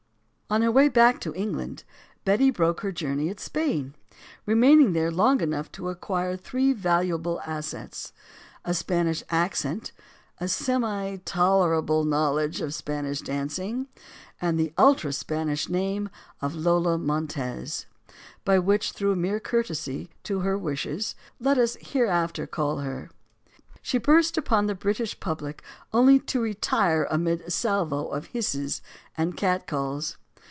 On her way back to England, Betty broke her journey at Spain, remaining there long enough to ac quire three valuable assets a Spanish accent, a semi tolerable knowledge of Spanish dancing, and the ultra Spanish name of Lola Montez, by which through mere courtesy to her wishes let us hereafter call her. Then she burst upon the British public only to retire amid a salvo of hisses and catcalls.